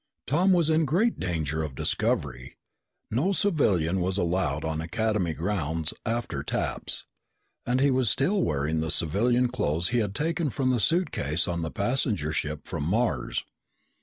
Tom was in great danger of discovery. No civilian was allowed on Academy grounds after taps. And he was still wearing the civilian clothes he had taken from the suitcase on the passenger ship from Mars.